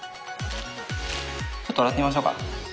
ちょっと笑ってみましょうか。